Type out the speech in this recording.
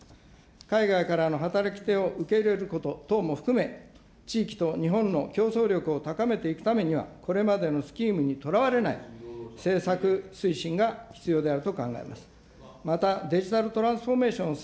海外からの働き手を受け入れること等も含め、地域と日本の競争力を高めていくためには、これまでのスキームにとらわれない、政策推進が必要であると考えます。